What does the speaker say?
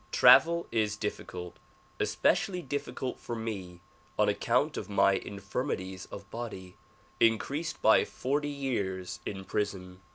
Travel is difficult, especially difficult for me on account of my infirmities of body, increased by forty years in prison.